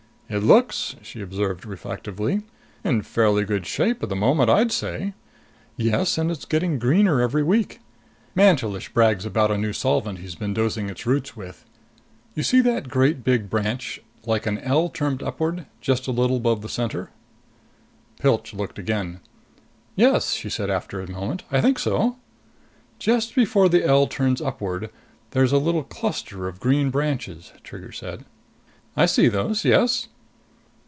"It looks," she observed reflectively, "in fairly good shape at the moment, I'd say!" "Yes, and it's getting greener every week. Mantelish brags about a new solvent he's been dosing its roots with. You see that great big branch like an L turned upward, just a little above the center?" Pilch looked again. "Yes," she said after a moment, "I think so." "Just before the L turns upward, there's a little cluster of green branches," Trigger said. "I see those, yes."